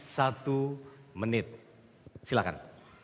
satu menit silahkan